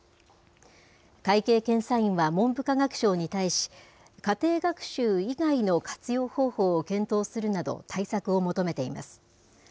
会計検査院は文部科学省に対し、家庭学習以外の活用方法を検討するなど、対策を求めています。